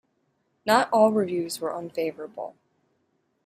Not all reviews were unfavorable.